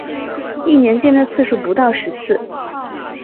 一年见面的次数不到十次